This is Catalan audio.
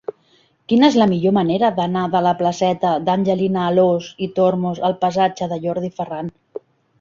Quina és la millor manera d'anar de la placeta d'Angelina Alòs i Tormos al passatge de Jordi Ferran?